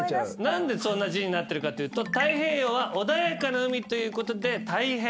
何でそんな字になってるかというと太平洋は穏やかな海ということで太平。